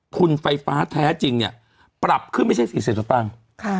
ทุนไฟฟ้าแท้จริงเนี่ยปรับขึ้นไม่ใช่อีกเศรษฐ์ตั้งค่ะ